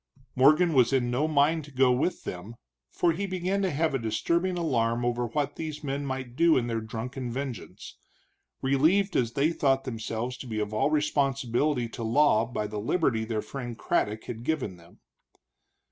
Morgan was in no mind to go with them, for he began to have a disturbing alarm over what these men might do in their drunken vengeance, relieved as they thought themselves to be of all responsibility to law by the liberty their friend Craddock had given them.